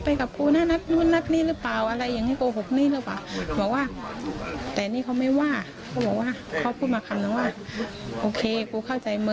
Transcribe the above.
พี่ถามข้างในพี่ทำไม